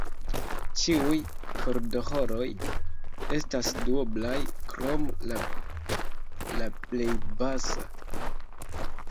Ĉiuj kordoĥoroj estas duoblaj, krom la La plej basa.